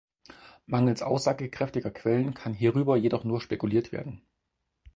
Mangels aussagekräftiger Quellen kann hierüber jedoch nur spekuliert werden.